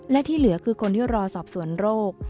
และที่เหลือคือคนที่รอสอบสวนโรค